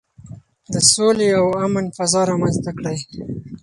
د سولې او امن فضا رامنځته کړئ.